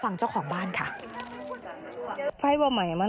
ฟังเจ้าของบ้านค่ะ